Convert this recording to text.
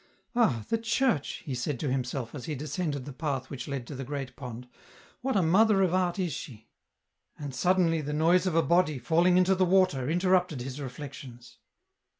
" Ah ! the Church," he said to himself, as he descended the path which led to the great pond, " what a mother of art is she !" and suddenly the noise of a body falling into the water interrupted his reflections.